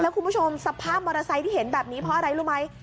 คุณผู้ชมสภาพมอเตอร์ไซค์ที่เห็นแบบนี้เพราะอะไรรู้ไหม